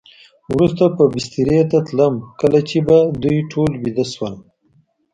وروسته به بسترې ته تلم، کله چې به دوی ټول ویده شول.